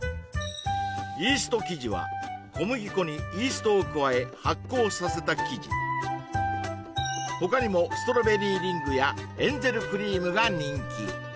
イースト生地は小麦粉にイーストを加え発酵させた生地他にもストロベリーリングやエンゼルクリームが人気